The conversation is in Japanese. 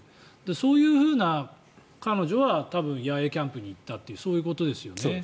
そういうふうに彼女は多分野営キャンプに行ったというそういうことですよね。